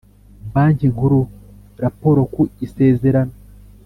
Banki Nkuru raporo ku isezerana